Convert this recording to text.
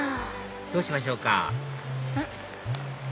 どうしましょうかうん？